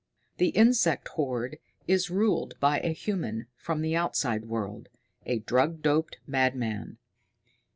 The insect horde is ruled by a human from the outside world a drug doped madman.